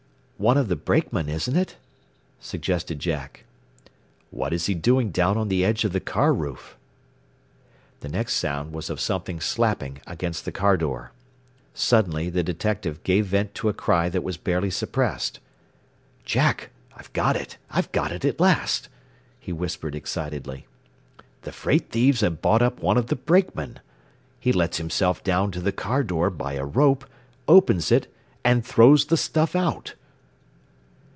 "One of the brakemen, isn't it?" suggested Jack. "What is he doing down on the edge of the car roof?" The next sound was of something slapping against the car door. Suddenly the detective gave vent to a cry that was barely suppressed. "Jack, I've got it! I've got it at last!" he whispered excitedly. "The freight thieves have bought up one of the brakemen! He lets himself down to the car door by a rope, opens it, and throws the stuff out!"